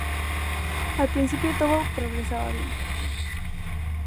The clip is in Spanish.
Al principio todo progresaba bien.